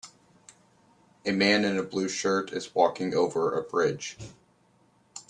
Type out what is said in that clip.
A man in a blue shirt is walking over a bridge